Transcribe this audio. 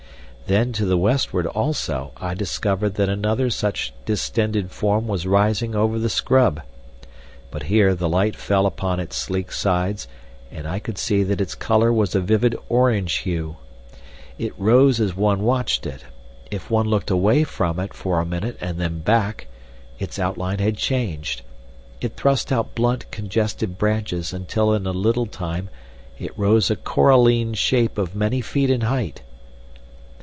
Then to the westward also I discovered that another such distended form was rising over the scrub. But here the light fell upon its sleek sides, and I could see that its colour was a vivid orange hue. It rose as one watched it; if one looked away from it for a minute and then back, its outline had changed; it thrust out blunt congested branches until in a little time it rose a coralline shape of many feet in height.